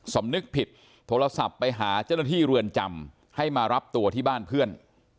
สำนึกผิดโทรศัพท์ไปหาเจ้าหน้าที่เรือนจำให้มารับตัวที่บ้านเพื่อน